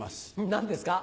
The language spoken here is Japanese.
何ですか？